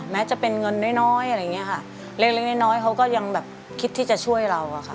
แม้จะเป็นเงินเล็กเล็กน้อยเขาก็ยังคิดที่จะช่วยเรา